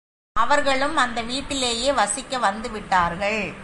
அவர்களும் அந்த வீட்டிலேயே வசிக்க வந்துவிட்டார்கள்.